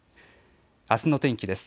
あすの天気です。